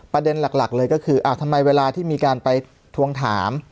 ประเด็นหลักเลยก็คือทำไมเวลาที่มีการไปทวงถาม